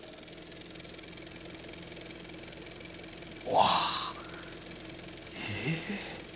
わあえ？